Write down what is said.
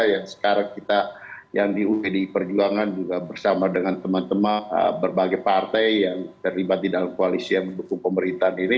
yang sekarang kita yang di uidi perjuangan juga bersama dengan teman teman berbagai partai yang terlibat di dalam koalisi yang mendukung pemerintahan ini